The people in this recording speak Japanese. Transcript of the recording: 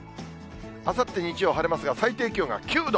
あさって日曜、晴れますが、最低気温が９度。